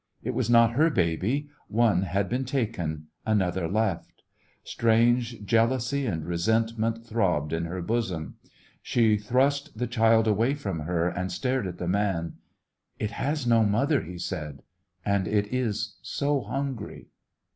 It was not her baby; one had been taken, another left. Strange The West Was Yoimg jealousy and resentment throbbed in her bosom. She thrust the child away from her and stared at the man. ''It has no mother/' he said^ ''and it is so hungry.'